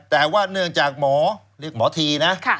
แต่ว่าเนื่องจากหมอหมอธีนะ